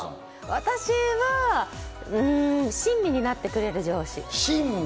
私は親身になってくれる上司。